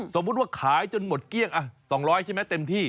สมมุติว่าขายจนหมดเกลี้ยง๒๐๐ใช่ไหมเต็มที่